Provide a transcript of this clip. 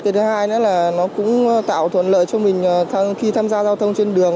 thứ hai nữa là nó cũng tạo thuận lợi cho mình khi tham gia giao thông trên đường